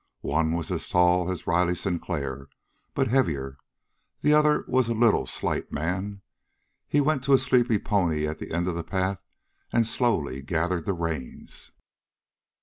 One was as tall as Riley Sinclair, but heavier; the other was a little, slight man. He went to a sleepy pony at the end of the path and slowly gathered the reins.